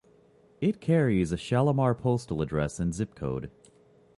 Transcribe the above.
It carries a Shalimar postal address and zip code.